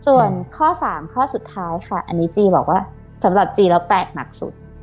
ส่วนข้อ๓ข้อสุดท้ายค่ะอันนี้จีบอกว่าสำหรับจีนแล้วแตกหนักสุด